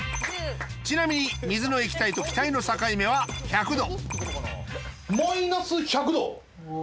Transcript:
ちなみに水の液体と気体の境目は１００℃−１００℃。